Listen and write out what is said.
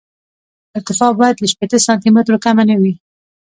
ارتفاع باید له شپېته سانتي مترو کمه نه وي